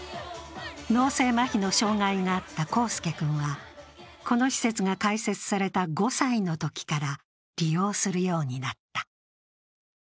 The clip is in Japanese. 脳性まひの障害があった晃輔君はこの施設が開設された５歳のときから利用するようになった。